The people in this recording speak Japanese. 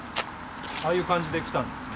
ああいう感じで来たんですね。